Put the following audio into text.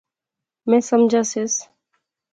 میں سمجھاسیس